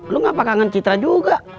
lu ngapa kangen citra juga